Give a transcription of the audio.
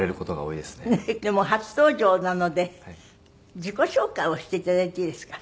でも初登場なので自己紹介をしていただいていいですか？